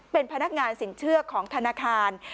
เป็นพนักงานสินเชื่อของธนาคาร